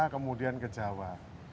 kemudian ke jawa